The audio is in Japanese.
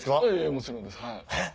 もちろんです。